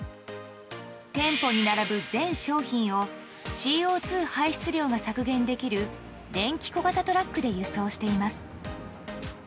店舗に並ぶ全商品をＣＯ２排出量が削減できる電気小型トラックで輸送しています。